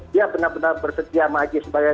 dia benar benar bersetia maji sebagai